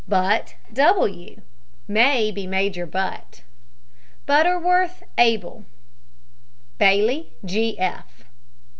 BUTT, W. (may be Major Butt). BUTTERWORTH, ABELJ. BAILEY, G. F.